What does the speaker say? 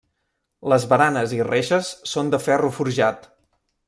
Les baranes i reixes són de ferro forjat.